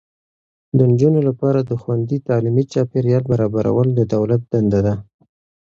د نجونو لپاره د خوندي تعلیمي چاپیریال برابرول د دولت دنده ده.